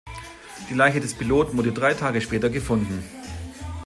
Die Leiche des Piloten wurde drei Tage später gefunden.